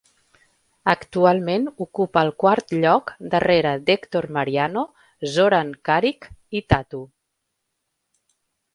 Actualment ocupa el quart lloc darrere d'Héctor Mariano, Zoran Karic i Tatu.